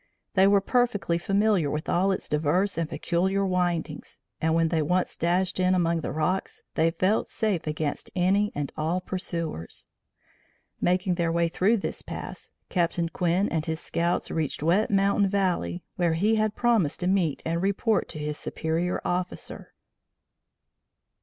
They were perfectly familiar with all its diverse and peculiar windings, and, when they once dashed in among the rocks, they felt safe against any and all pursuers. Making their way through this pass, Captain Quinn and his scouts reached Wet Mountain Valley, where he had promised to meet and report to his superior officer.